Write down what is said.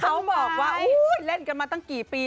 เขาบอกว่าเล่นกันมาตั้งกี่ปี